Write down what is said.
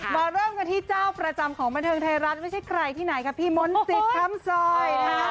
พี่เจ้าประจำของบรรเทิงไทยรัฐไม่ใช่ใครที่ไหนครับพี่มนต์สิทธิ์คำซอย